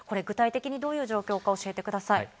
具体的にどういう状況か教えてください。